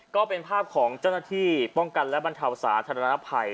ก็เป็นภาพของเจ้าหน้าที่ป้องกันและบรรเทาสาธารณภัย